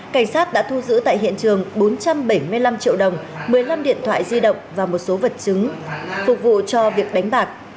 cảnh sát đã thu giữ tại hiện trường bốn trăm bảy mươi năm triệu đồng một mươi năm điện thoại di động và một số vật chứng phục vụ cho việc đánh bạc